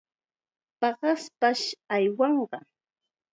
Paqaspash aywanqa.